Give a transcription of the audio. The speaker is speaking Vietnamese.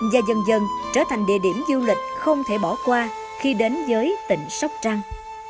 và dần dần trở thành địa điểm du lịch không thể bỏ qua khi đến với tỉnh sóc trăng